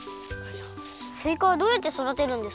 すいかはどうやってそだてるんですか？